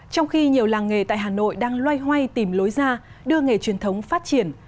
trong khi nhiều làng nghề tại hà nội đang loay hoay tìm lối ra đưa nghề truyền thống phát triển